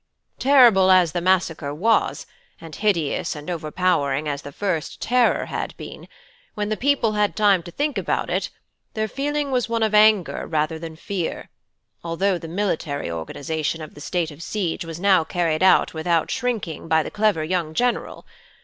"Terrible as the massacre was, and hideous and overpowering as the first terror had been, when the people had time to think about it, their feeling was one of anger rather than fear; although the military organisation of the state of siege was now carried out without shrinking by the clever young general.